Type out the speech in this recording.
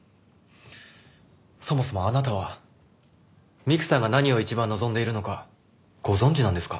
そもそもあなたは美玖さんが何を一番望んでいるのかご存じなんですか？